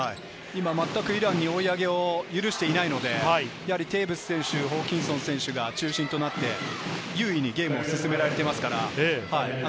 まったくイランに追い上げを許していないので、テーブス選手、ホーキンソン選手が中心となって、優位にゲームを進められていますから。